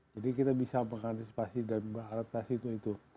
jadi kita bisa mengantisipasi dan beradaptasi itu